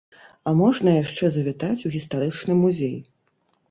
А можна яшчэ завітаць у гістарычны музей.